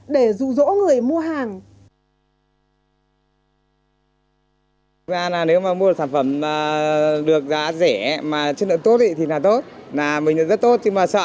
để rủ rỗ người mua